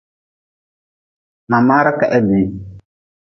Ma maara ka he bii.